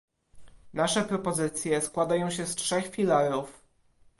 Nasze propozycje składają się z trzech filarów